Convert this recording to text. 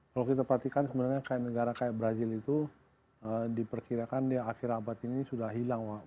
kalau kita perhatikan sebenarnya negara kayak brazil itu diperkirakan di akhir abad ini sudah hilang